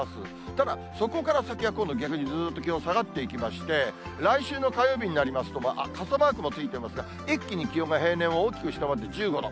ただ、そこから先は今度、逆にずっと気温下がっていきまして、来週の火曜日になりますと、傘マークもついていますが、一気に気温が平年を大きく下回って１５度。